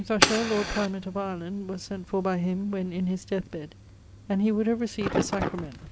Usher, Lord Primate of Ireland, was sent for by him, when in his death bed, and he would have received the sacrament.